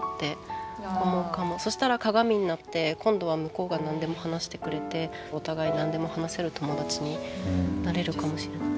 そしたら鏡になって今度は向こうが何でも話してくれてお互い何でも話せる友達になれるかもしれない。